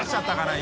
今。